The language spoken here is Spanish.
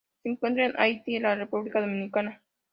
Se encuentra en Haití y la República Dominicana.